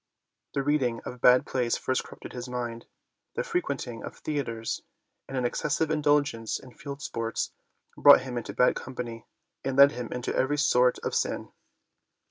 The reading of bad plays first corrupted his mind ; the frequent ing of theatres and an excessive indulgence in field sports brought him into bad company and led him into every sort of sin.